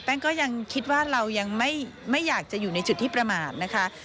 ก็ยังคิดว่าเรายังไม่อยากจะอยู่ในจุดที่ประมาทนะคะ